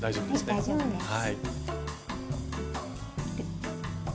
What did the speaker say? はい大丈夫です。